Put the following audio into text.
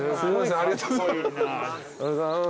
ありがとうございます。